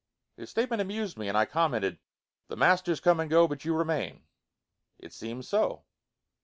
His statement amused me, and I commented, "The masters come and go, but you remain?" "It seems so."